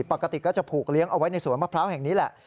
ปกติก็จะผูกเลี้ยงเอาไว้ในสวนมะพร้าวแห่งนี้แหละ